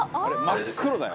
真っ黒だよ」